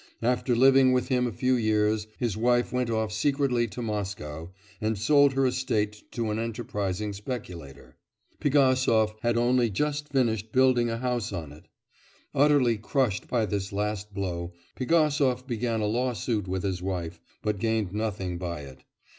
After living with him a few years, his wife went off secretly to Moscow and sold her estate to an enterprising speculator; Pigasov had only just finished building a house on it. Utterly crushed by this last blow, Pigasov began a lawsuit with his wife, but gained nothing by it.